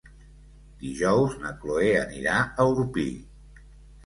Dijous na Chloé anirà a Orpí.